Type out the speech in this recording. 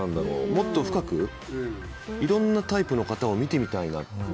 もっと深くいろんなタイプの方見てみたいな。